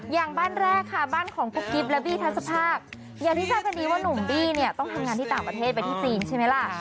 อย่างบ้านแรกค่ะบ้านของกุ๊กกิ๊บและบี้ทัศภาคอย่างที่ทราบกันดีว่าหนุ่มบี้เนี่ยต้องทำงานที่ต่างประเทศไปที่จีนใช่ไหมล่ะ